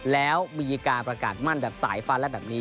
แล้วมีการประกาศมั่นแบบสายฟันและแบบนี้